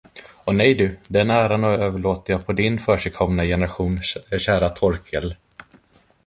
Å nej du, den äran överlåter jag på din försigkomna generation, kära Torkel.